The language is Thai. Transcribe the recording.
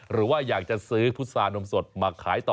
หรือว่าอยากจะซื้อพุษานมสดมาขายต่อ